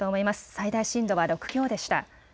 最大震度は６強でした。